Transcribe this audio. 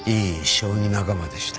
将棋仲間でした。